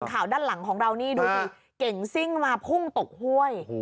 ข่าวด้านหลังของเรานี่ดูสิเก่งซิ่งมาพุ่งตกห้วย